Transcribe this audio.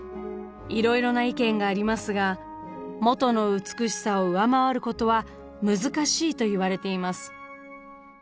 いろいろな意見がありますが元の美しさを上回ることは難しいといわれています。